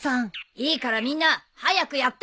いいからみんな早くやってよ。